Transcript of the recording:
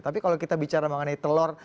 tapi kalau kita bicara mengenai telur